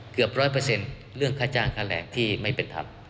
เกือบ๑๐๐เรื่องค่าจ้างค่าแรงที่ไม่เป็นธรรม